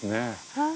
はい。